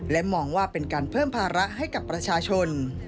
และมองว่าเป็นการเพิ่มภาระให้กับประชาชน